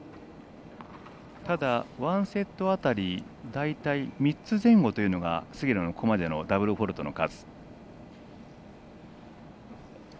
ただ、１セット当たり大たい３つ前後というのが菅野のここまでのダブルフォールトの数。